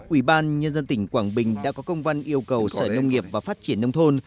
ủy ban nhân dân tỉnh quảng bình đã có công văn yêu cầu sở nông nghiệp và phát triển nông thôn